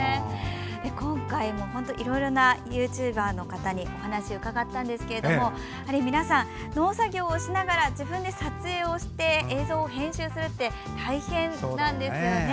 今回、いろいろなユーチューバーの方にお話を伺ったんですが皆さん、農作業をしながら自分で撮影をして映像を編集するって大変なんですよね。